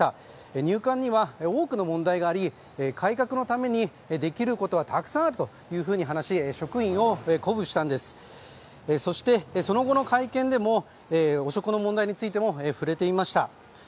入管には多くの問題があり改革のためにできることはたくさんあると話し職員を鼓舞したんですそしてその後の会見でもそこの問題についても触れていました。